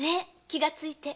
気がついて。